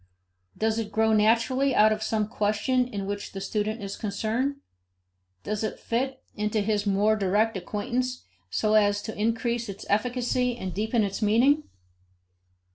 Does it grow naturally out of some question with which the student is concerned? Does it fit into his more direct acquaintance so as to increase its efficacy and deepen its meaning?